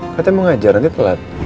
katanya mau ngajar nanti telat